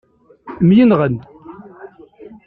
Myenɣen.